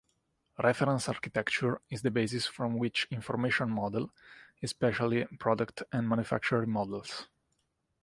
Reference architecture is the basis from which information model, especially product and manufacturing models.